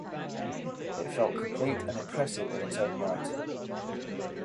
It felt complete and impressive in its own right.